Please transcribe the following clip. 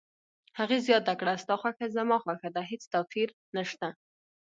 هغې زیاته کړه: ستا خوښه زما خوښه ده، هیڅ توپیر نشته.